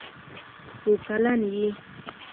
څو کلن یې.